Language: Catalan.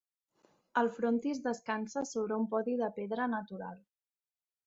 El frontis descansa sobre un podi de pedra natural.